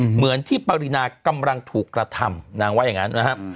เหมือนที่ปรินากำลังถูกกระทำนางว่าอย่างนั้นนะครับ